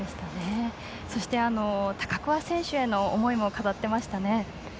そして高桑選手への思いも語っていましたね。